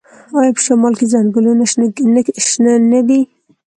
آیا په شمال کې ځنګلونه شنه نه دي؟